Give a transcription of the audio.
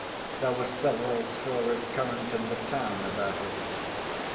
There were several stories current in the town about it.